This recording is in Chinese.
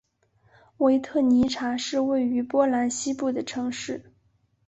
维特尼察是位于波兰西部的城市。